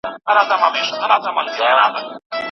د پېښو لړۍ تصادفي نه ده.